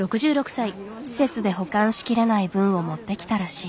施設で保管しきれない分を持ってきたらしい。